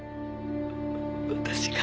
私が。